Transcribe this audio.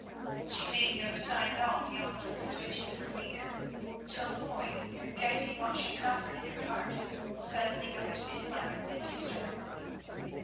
She made no sign at all beyond a little twitching of her fingers, till Foy, guessing what she suffered in her heart, suddenly went to his mother and kissed her.